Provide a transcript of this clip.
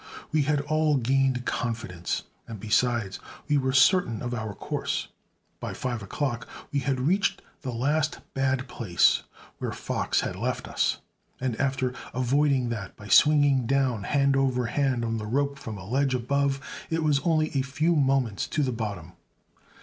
We had all gained confidence, and besides we were certain of our course. By 5 o'clock we had reached the last bad place where Fox had left us and, after avoiding that by swinging down hand over hand on the rope from a ledge above, it was only a few moments to the bottom.